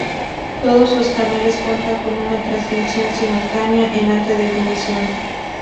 Todos los canales cuentan con una transmisión simultánea en alta definición.